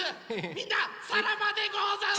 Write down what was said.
みんなさらばでござんす！